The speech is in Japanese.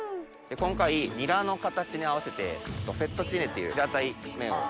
今回ニラの形に合わせてフェットチーネっていう平たい麺を。